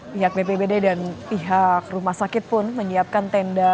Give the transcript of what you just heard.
pihak bpbd dan pihak rumah sakit pun menyiapkan tenda